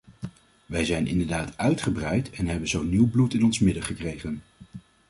Wij zijn inderdaad uitgebreid en hebben zo nieuw bloed in ons midden gekregen.